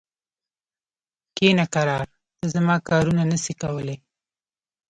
کښینه کرار! ته زما کارونه نه سې کولای.